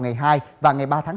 ngày hai và ngày ba tháng sáu